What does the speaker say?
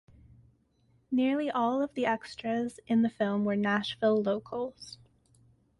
Nearly all of the extras in the film were Nashville locals.